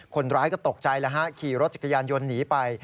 คนร้ายก็ตกใจแล้วฮะขี่รถจักรยานยนต์หนีไป